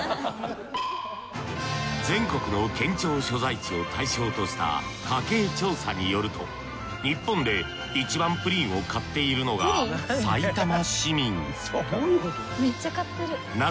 全国の県庁所在地を対象とした家計調査によると日本でいちばんプリンを買っているのがさいたま市民そうなの？